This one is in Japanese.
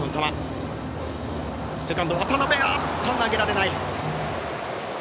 セカンド、渡邊投げられない。